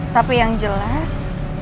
tapi yang jelas